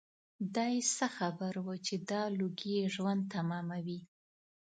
دای څه خبر و چې دا لوګي یې ژوند تماموي.